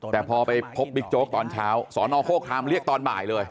แต่พอไปพบบิ๊กโจ๊กตอนเช้าสอนอโฆครามเรียกตอนบ่ายเลย